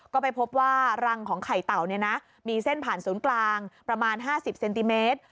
ก็ไปพบว่ารังของไข่เต่ามีเส้นผ่านศูนย์กลางประมาณ๕๐เซนติเมตร